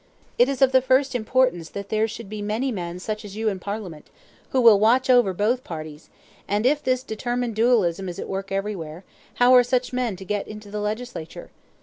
It is of the first importance that there should be many men such as you in Parliament, who will watch over both parties; and, if this determined dualism is at work everywhere, how are such men to get into the legislature?